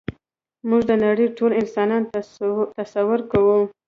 موږ د نړۍ ټول انسانان تصور کوو.